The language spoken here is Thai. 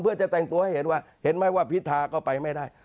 เพื่อจะแต่งตัวให้เห็นว่าเห็นไหมว่าพิธาก็ไปไม่ได้